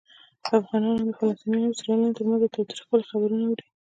افغانان د فلسطینیانو او اسرائیلیانو ترمنځ د تاوتریخوالي خبرونه اوري.